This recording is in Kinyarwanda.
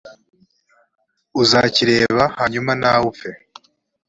uzakireba, hanyuma nawe upfe.